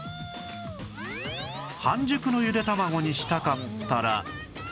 半熟のゆでたまごにしたかったら